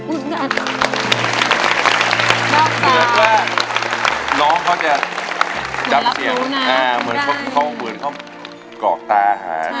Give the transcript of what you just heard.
เหมือนเขากอกตาหา